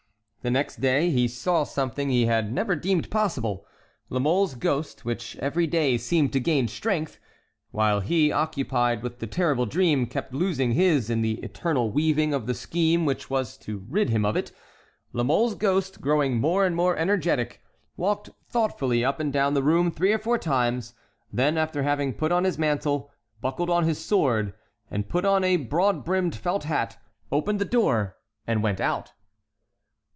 The next day he saw something he had never deemed possible. La Mole's ghost, which every day seemed to gain strength, while he, occupied with the terrible dream, kept losing his in the eternal weaving of the scheme which was to rid him of it,—La Mole's ghost, growing more and more energetic, walked thoughtfully up and down the room three or four times, then, after having put on his mantle, buckled on his sword, and put on a broad brimmed felt hat, opened the door and went out.